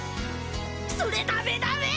それダメダメー！